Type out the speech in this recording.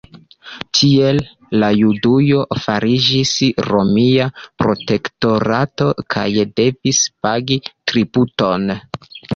Tiel la Judujo fariĝis romia protektorato kaj devis pagi tributon.